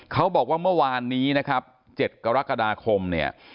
เขาบอกว่าเมื่อวานนี้นะครับ๗กรกฎาคมเนี่ย